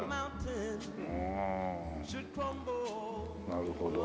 なるほど。